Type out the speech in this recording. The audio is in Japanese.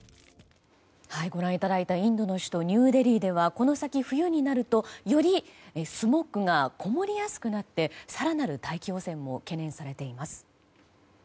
ご覧いただいたインドの首都ニューデリーではこの先、冬になるとよりスモッグがこもりやすくなって更なる大気汚染も懸念されています。